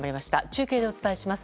中継でお伝えします。